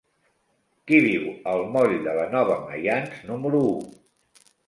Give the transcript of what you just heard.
Qui viu al moll de la Nova Maians número u?